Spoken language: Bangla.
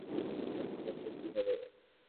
পাস করবে কীভাবে?